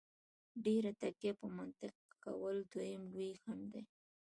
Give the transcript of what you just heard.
ډېره تکیه په منطق کول دویم لوی خنډ دی.